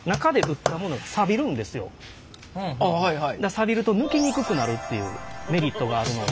さびると抜きにくくなるっていうメリットがあるので。